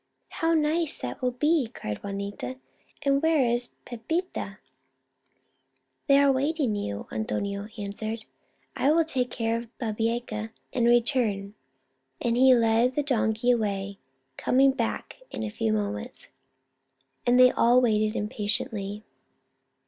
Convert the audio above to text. ,, "How nice that will be!" cried Juanita. " And where is Pepita ?"" There, awaiting you," Antonio answered. " I will take care of Babieca and return," and he led the donkey away, coming back in a few moments, and they all waited impa tiently.